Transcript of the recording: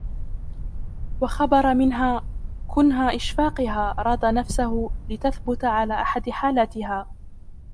وَخَبَرَ مِنْهَا كُنْهَ إشْفَاقِهَا رَاضَ نَفْسَهُ لِتَثْبُتَ عَلَى أَحَدِ حَالَاتِهَا